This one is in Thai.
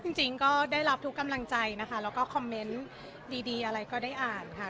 จริงก็ได้รับทุกกำลังใจนะคะแล้วก็คอมเมนต์ดีอะไรก็ได้อ่านค่ะ